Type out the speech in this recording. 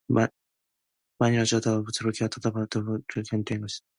만일 어쩌다 불을 켜면 도리어 답답하고 눈등이 거북해서 못 견디었던 것이다.